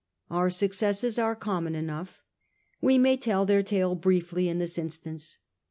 Our successes are common enough; we may tell their tale briefly in this instance.